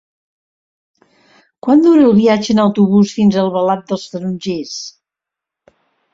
Quant dura el viatge en autobús fins a Albalat dels Tarongers?